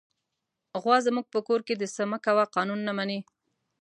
غوا زموږ په کور کې د "څه مه کوه" قانون نه مني.